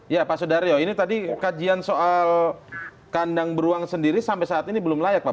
ya pak sudaryo ini tadi kajian soal kandang beruang sendiri sampai saat ini belum layak pak